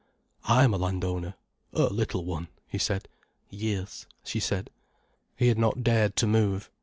"I am a landowner—a little one," he said. "Yes," she said. He had not dared to move.